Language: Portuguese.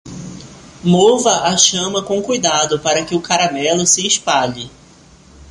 Mova a chama com cuidado para que o caramelo se espalhe.